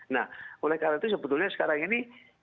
nah oleh karena itu sebetulnya sekarang ini